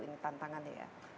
ini tantangan ya